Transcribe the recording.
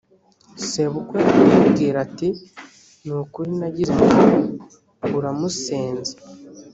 sebukwe aramubwira ati “ni ukuri nagize ngo uramusenze”